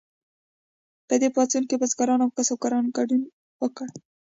په دې پاڅون کې بزګرانو او کسبګرو ګډون وکړ.